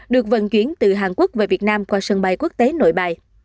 được vận chuyển từ hàn quốc về việt nam qua sân bay quốc tế nội bài